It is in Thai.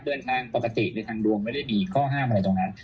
เดินทางปกติในทางดวงไม่ได้มีข้อห้ามอะไรตรงนั้น